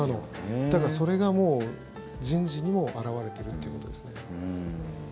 だから、それが人事にも表れているということですね。